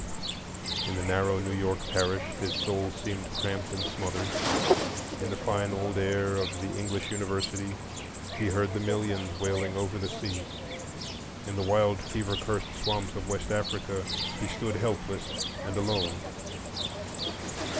In the narrow New York parish his soul seemed cramped and smothered. In the fine old air of the English University he heard the millions wailing over the sea. In the wild fever cursed swamps of West Africa he stood helpless and alone.